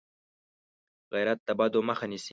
غیرت د بدو مخه نیسي